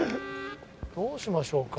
どうしましょうか。